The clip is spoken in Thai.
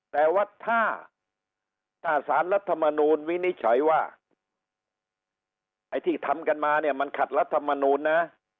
แต่ว่าถ้าถ้าสารรัฐมนูลวินิจฉัยว่าไอ้ที่ทำกันมาเนี่ยมันขัดรัฐมนูลนะ